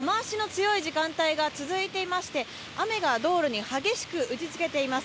大分市内、雨足の強い時間帯が続いていまして、雨が道路に激しく打ちつけています。